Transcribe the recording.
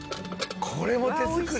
「これも手作り？」